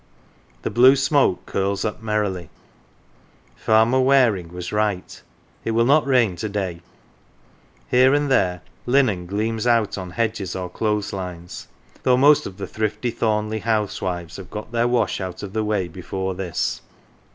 The blue smoke curls up merrily : Farmer Waring was right, it will not rain to day ; here and there linen gleams out on hedges or clothes lines, though most of the thrifty Thornleigh housewives have got their wash out of the way before this.